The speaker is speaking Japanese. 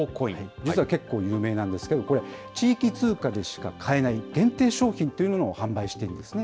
実はけっこう有名なんですけれども、これ、地域通貨でしか買えない限定商品というものを販売してるんですね。